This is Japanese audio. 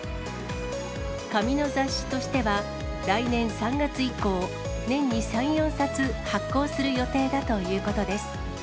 紙の雑誌としては、来年３月以降、年に３、４冊発行する予定だということです。